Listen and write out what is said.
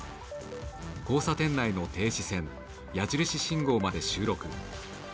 交差点内の停止線矢印信号まで収録。